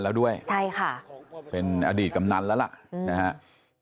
พตรพูดถึงเรื่องนี้ยังไงลองฟังกันหน่อยค่ะ